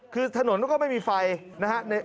คือถนนก็ไม่มีไฟนะฮะ